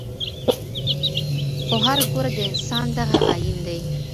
خو هرګوره د انسان دغه آیین دی